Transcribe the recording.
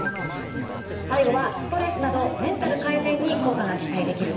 最後はストレスなどメンタル改善に効果が期待できるツボです。